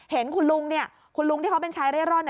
เห็นคุณลุงคุณลุงที่เขาเป็นชายเร่ร่อน